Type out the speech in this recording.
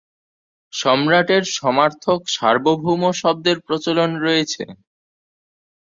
সম্রাটের সমার্থক "সার্বভৌম" শব্দের প্রচলন রয়েছে।